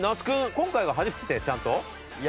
今回が初めてちゃんと。